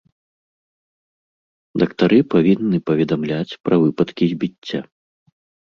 Дактары павінны паведамляць пра выпадкі збіцця.